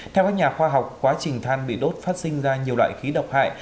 theo các nhà khoa học quá trình than bị đốt phát sinh ra nhiều loại khí độc hại